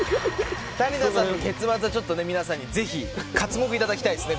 谷田さんの結末は皆さんにぜひかつ目いただきたいですね。